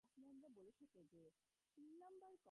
এই জন্যই সর্বদেশে ব্রহ্মচর্য শ্রেষ্ঠ ধর্মরূপে পরিগণিত হইয়াছে।